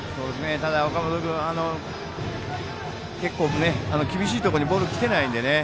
ただ、岡本君結構、厳しいところにボールきてないのでね。